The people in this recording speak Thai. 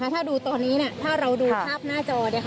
ถ้าดูตอนนี้ถ้าเราดูภาพหน้าจอ